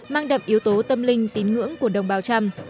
mang đậm yếu tố tâm linh tín ngưỡng của đồng bào trăm